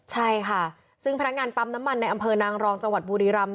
ใช่ค่ะซึ่งพนักงานปั๊มน้ำมันในอำเภอนางรองจังหวัดบุรีรำ